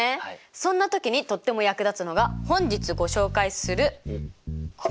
そんな時にとっても役立つのが本日ご紹介するこちら！